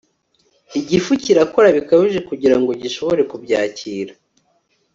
Igifu kirakora bikabije kugira ngo gishobore kubyakira